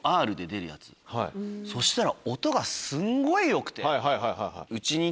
そしたら。